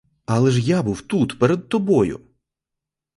Але ж я був тут перед тобою!